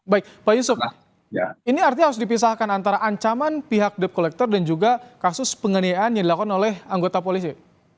baik pak yusuf ini artinya harus dipisahkan antara ancaman pihak debt collector dan juga kasus penganiayaan yang dilakukan oleh anggota polisi